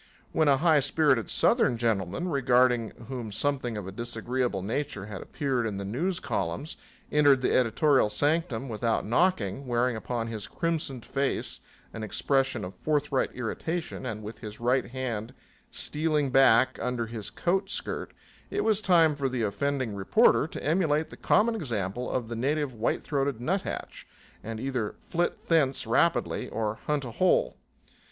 When a high spirited Southern gentleman, regarding whom something of a disagreeable nature had appeared in the news columns, entered the editorial sanctum without knocking, wearing upon his crimsoned face an expression of forthright irritation and with his right hand stealing back under his coat skirt, it was time for the offending reporter to emulate the common example of the native white throated nut hatch and either flit thence rapidly or hunt a hole.